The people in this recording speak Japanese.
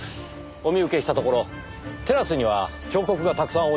お見受けしたところテラスには彫刻がたくさん置いてありますねぇ。